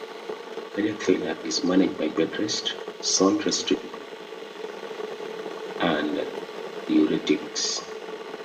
Cardiac failure is managed by bed rest, salt restriction, digitalis and diuretics.